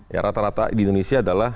ya rata rata di indonesia adalah